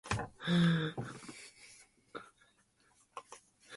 Some of the young men who followed Socrates had been Laconophiles.